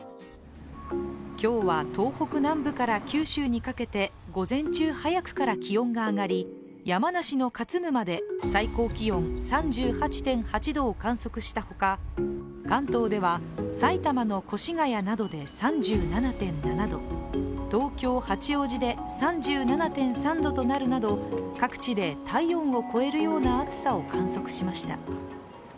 今日は東北南部から九州にかけて午前中早くから気温が上がり山梨の勝沼で最高気温３８．８度を観測したほか、関東では、埼玉の越谷などで３７．７度東京・八王子で、３７．３度となるなど各地で体温を超えるような暑さを観測しました。